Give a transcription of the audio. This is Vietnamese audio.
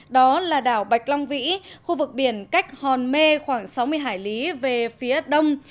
đó là đảo bạch long vĩ khu vực biển cách hòn mê khoảng sáu mươi hải lý về phía đông